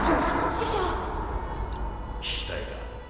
師匠聞きたいか？